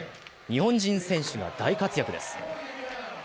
日本人選手が大活躍です。